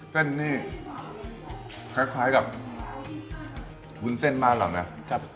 เส้นนี่คล้ายคล้ายกับวุ่นเส้นบ้านเหรอนะครับ